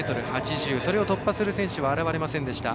それを突破する選手は現れませんでした。